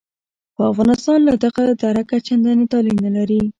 خو افغانستان له دغه درکه چندانې طالع نه لري.